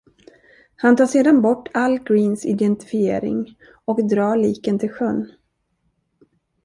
Han tar sedan bort all Greens identifiering och drar liken till sjön.